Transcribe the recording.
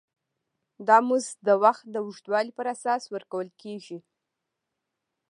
دا مزد د وخت د اوږدوالي پر اساس ورکول کېږي